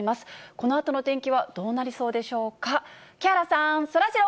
このあとの天気はどうなりそうでしょうか。